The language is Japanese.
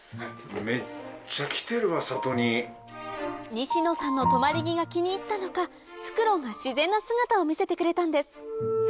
西野さんの止まり木が気に入ったのかフクロウが自然な姿を見せてくれたんです